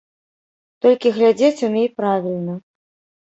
Толькі глядзець умей правільна.